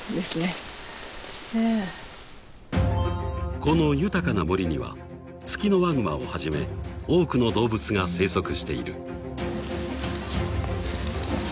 ［この豊かな森にはツキノワグマをはじめ多くの動物が生息している］